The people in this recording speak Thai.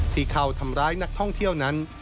ที่เข้าทำร้ายนักท่องเที่ยวนั้น